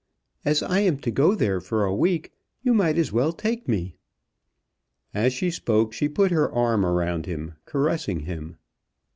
As I am to go there for a week, you might as well take me." As she spoke she put her arm around him, caressing him.